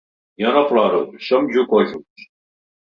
Jo no ploro, som jocosos.